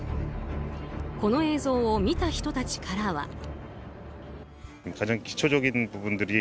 この映像を見た人たちからは。